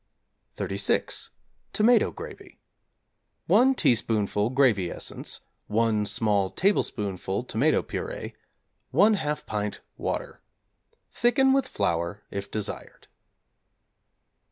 =36. Tomato Gravy= 1 teaspoonful gravy essence, 1 small tablespoonful tomato purée, 1/2 pint water. Thicken with flour if desired.